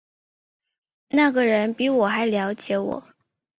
那个人比我还瞭解我